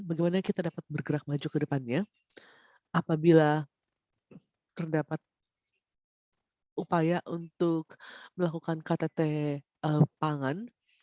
bagaimana kita dapat bergerak maju ke depannya apabila terdapat upaya untuk melakukan ktt pangan